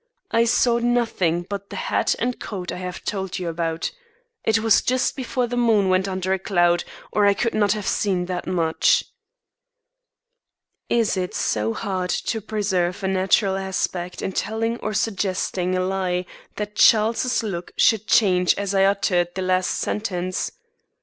I saw nothing but the hat and coat I have told you about. It was just before the moon went under a cloud, or I could not have seen that much." Is it so hard to preserve a natural aspect in telling or suggesting a lie that Charles's look should change as I uttered the last sentence?